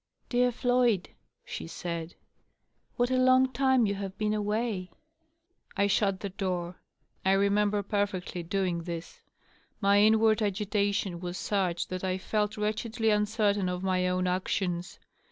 " Dear Floyd,'^ she said, " what a long time you have been away P' I shut the door; I remember perfectly doing this. My inward agitation was such that I felt wretchedly uncertain of my own actions.